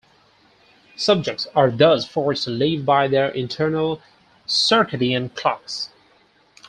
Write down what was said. Subjects are thus forced to live by their internal circadian "clocks".